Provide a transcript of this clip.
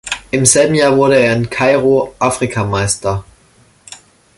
Im selben Jahr wurde er in Kairo Afrikameister.